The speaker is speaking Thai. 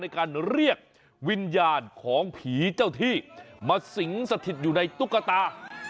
ในการเรียกวิญญาณของผีเจ้าที่มาสิงสถิตอยู่ในตุ๊กตา